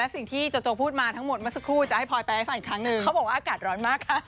สุดท้ายสุดท้าย